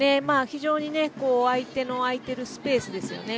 非常に相手の空いているスペースですよね。